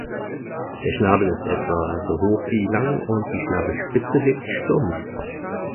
Der Schnabel ist etwa so hoch wie lang und die Schnabelspitze wirkt stumpf.